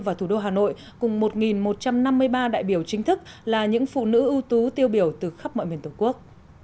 và thủ đô hà nội cùng một một trăm năm mươi ba đại biểu chính thức là những phụ nữ ưu tú tiêu biểu từ khắp mọi miền tổ quốc